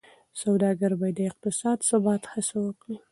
سوداګر باید د اقتصادي ثبات هڅه وکړي.